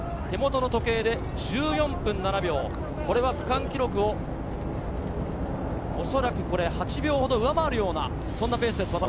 手元の時計で１４分７秒、これは区間記録をおそらく８秒ほど上回るようなペースです。